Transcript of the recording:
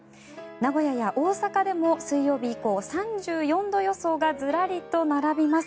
名古屋や大阪でも水曜日以降３４度予想がずらりと並びます。